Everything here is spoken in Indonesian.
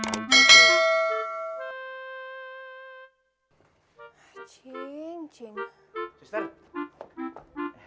kok tadi gak ada di rumah